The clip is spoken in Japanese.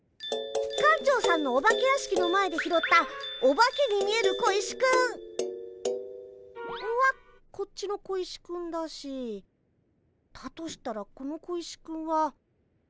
館長さんのお化け屋敷の前で拾ったお化けに見える小石くん！はこっちの小石くんだしだとしたらこの小石くんは。